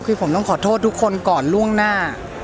คือผมต้องขอโทษทุกคนก่อนล่วงหน้า